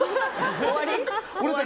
終わり？